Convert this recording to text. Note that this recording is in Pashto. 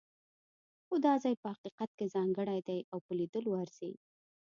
خو دا ځای په حقیقت کې ځانګړی دی او په لیدلو ارزي.